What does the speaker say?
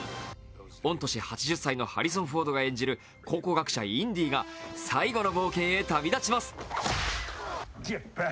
御年８０歳のハリソン・フォードが演じる考古学者・インディが最後の冒険へ旅立ちます。